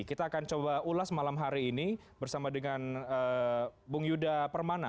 kita akan coba ulas malam hari ini bersama dengan bung yuda permana